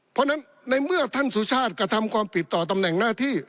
เพราะฉะนั้นในเมื่อท่านสุชาติกระทำความผิดต่อตำแหน่งหน้าที่